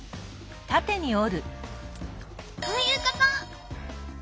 こういうこと！